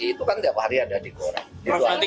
itu kan tiap hari ada di koran